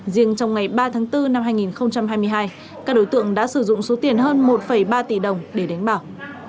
riêng trong ngày ba tháng bốn năm hai nghìn hai mươi hai các đối tượng đã sử dụng số tiền hơn một ba tỷ đồng để đánh bào